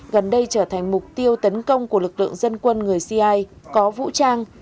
gần đây trở thành mục tiêu tấn công của lực lượng dân quân người cia có vũ trang